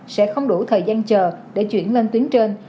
sẽ không đủ thời gian chờ để chuyển lên tuyến trên